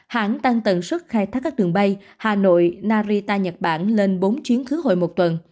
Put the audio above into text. hãng tăng tần suất khai thác các đường bay hà nội narita nhật bản lên bốn chuyến khứ hồi một tuần